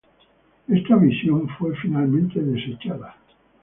Esta visión fue finalmente desechada.